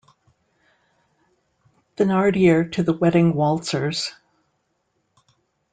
Thenardier to the wedding waltzers.